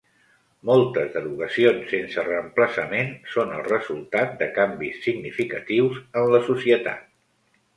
Moltes derogacions sense reemplaçament són el resultat de canvis significatius en la societat.